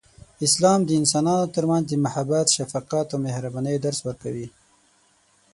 اسلام د انسانانو ترمنځ د محبت، شفقت، او مهربانۍ درس ورکوي.